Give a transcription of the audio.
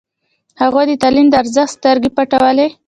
هغوی د تعلیم د ارزښت سترګې پټولې.